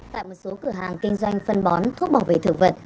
tại một số cửa hàng kinh doanh phân bón thuốc bảo vệ thực vật